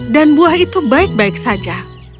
dan buah itu baik baik saja